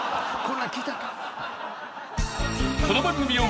［この番組を］